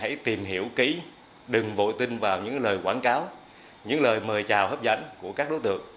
hãy tìm hiểu kỹ đừng bội tin vào những lời quảng cáo những lời mời chào hấp dẫn của các đối tượng